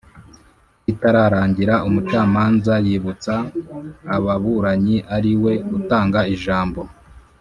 ritararangira umucamanza yibutsa ababuranyi ariwe utanga ijambo